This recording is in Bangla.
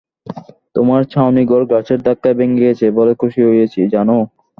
তোমার ছাউনিঘর গাছের ধাক্কায় ভেঙে গেছে বলে খুশি হয়েছি, জানো?